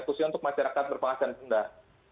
khususnya untuk masyarakat berpenghasilan rendah